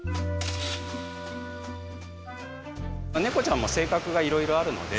ネコちゃんも性格がいろいろあるので。